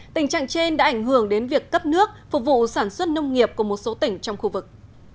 tình trạng trên đã ảnh hưởng đến việc cấp nước phục vụ sản xuất nông nghiệp của một số tỉnh trong khu vực